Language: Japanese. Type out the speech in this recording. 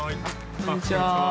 こんにちは。